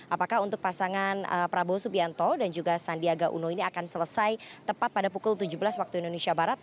apakah untuk pasangan prabowo subianto dan juga sandiaga uno ini akan selesai tepat pada pukul tujuh belas waktu indonesia barat